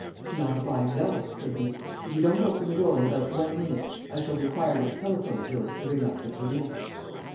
"Not if I know it," said he. "If you don't open the door in about one minute I shall require this telephone of yours to ring up the police."